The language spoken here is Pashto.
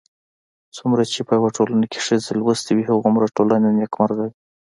څومره چې په يوه ټولنه کې ښځې لوستې وي، هومره ټولنه نېکمرغه وي